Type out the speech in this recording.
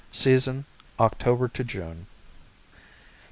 Season, October to June.